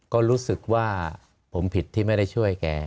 ก็รู้สึกว่าผมผิดที่ไม่ได้ช่วยแก